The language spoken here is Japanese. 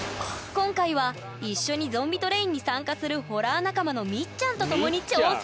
今回は一緒にゾンビトレインに参加するホラー仲間のみっちゃんと共に挑戦！